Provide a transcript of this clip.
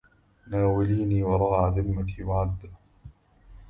ونوليني وراعى ذمتي وعدى